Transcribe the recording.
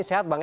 sehat bang ya